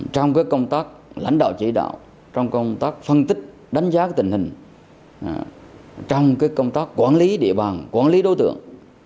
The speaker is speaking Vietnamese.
trong công tác lãnh đạo chỉ đạo trong công tác phân tích đánh giá tình hình trong công tác quản lý địa bàn quản lý đối tượng